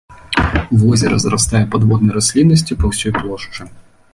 Возера зарастае падводнай расліннасцю па ўсёй плошчы.